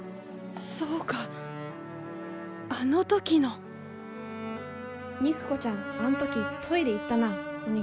そうかあの時の肉子ちゃんあん時トイレ行ったなお握り持って。